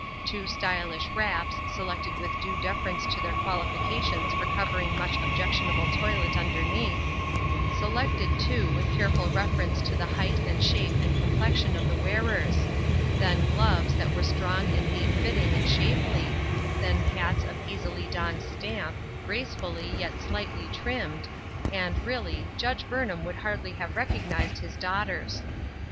Two stylish wraps, selected with due reference to their qualifications foi covering much objectionable toilet underneath —*' That Which Satisfieth NoV 839 selected, too, with careful reference to the height and shape and complexion of the wearers ; then gloves that were strong and neat fitting and shapely ; then hats of easily donned stamp, grace fully, yet slightly trimmed ; and, really, Judge Burnham would hardly have recognized hia daughters.